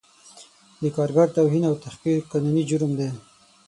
د کارګر توهین او تحقیر قانوني جرم دی